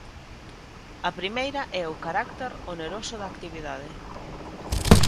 A primeira é o carácter oneroso da actividade.